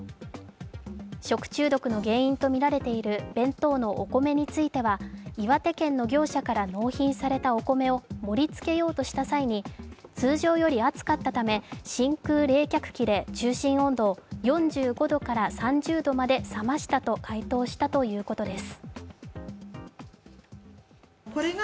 食中毒の原因とみられている弁当のお米については岩手県の業者から納品されたお米を盛り付けようとした際に、通常より熱かかったため真空冷却機で中心温度を４５度から３０度まで冷ましたと回答したということです。